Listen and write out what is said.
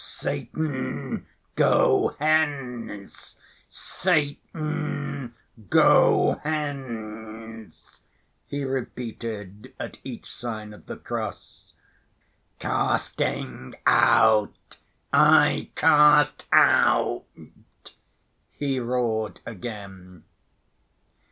"Satan, go hence! Satan, go hence!" he repeated at each sign of the cross. "Casting out I cast out," he roared again.